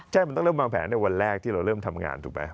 ใช่มันต้องเริ่มวางแผนในวันแรกที่เราเริ่มทำงานถูกไหม